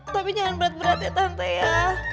tapi jangan berat berat ya tante ya